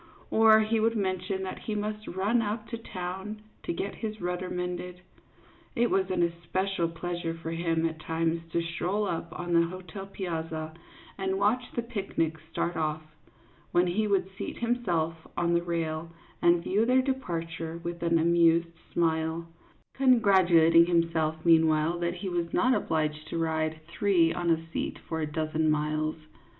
39 or he would mention that he must run up to town to get his rudder mended. It was an especial pleasure for him at times to stroll up on to the hotel piazza and watch the picnics start off, when he would seat himself on the rail and view their departure with an amused smile, congratulating himself meanwhile that he was not obliged to ride three on a seat for a dozen miles.